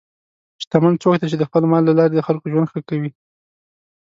شتمن څوک دی چې د خپل مال له لارې د خلکو ژوند ښه کوي.